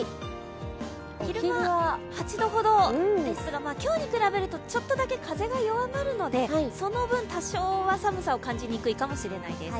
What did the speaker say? お昼は８度ほどですが、今日に比べるとちょっとだけ風が弱まるのでその分、多少は寒さを感じにくいかもしれないです。